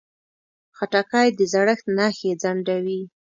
خټکی د زړښت نښې ځنډوي.